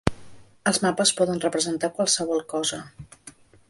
Els mapes poden representar qualsevol cosa.